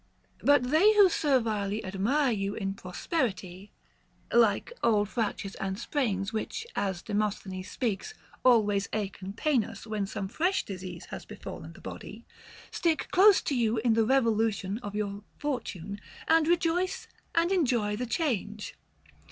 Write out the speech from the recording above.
But they who servilely admire you in prosperity, — like old fractures and sprains, which (as Demosthenes* speaks) always ache and pain us when some fresh disease has be fallen the body, — stick close to you in the revolution of your fortune, and rejoice and enjoy the change.